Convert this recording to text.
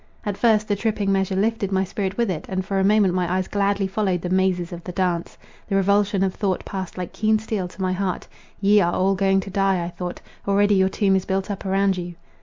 At first the tripping measure lifted my spirit with it, and for a moment my eyes gladly followed the mazes of the dance. The revulsion of thought passed like keen steel to my heart. Ye are all going to die, I thought; already your tomb is built up around you.